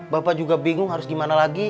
bapak juga bingung harus gimana lagi